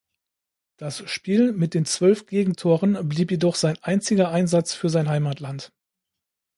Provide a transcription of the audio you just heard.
Das Spiel mit den zwölf Gegentoren blieb jedoch sein einziger Einsatz für sein Heimatland.